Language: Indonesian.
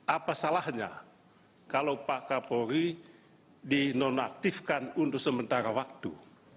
apa salahnya kalau pak kapolri dinonaktifkan untuk sementara waktu